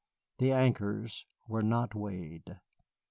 The anchors were not weighed.